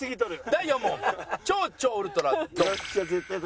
第４問超々ウルトラドン。